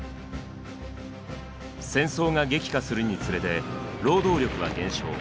戦争が激化するにつれて労働力は減少。